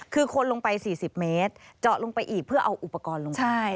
คือคนลงไป๔๐เมตรเจาะลงไปอีกเพื่อเอาอุปกรณ์ลงไป